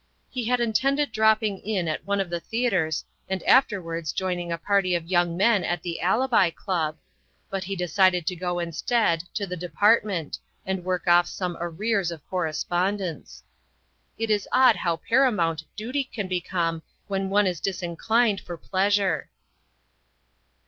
He had intended dropping in at one of the theatres and afterwards join ing a party of young men at the Alibi Club, but he decided to go instead to the Department and work off some arrears of correspondence. It is odd how para mount duty can become when one is disinclined for pleasure.